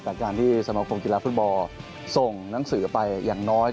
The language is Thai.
การที่สมคมกีฬาฟุตบอลส่งหนังสือไปอย่างน้อย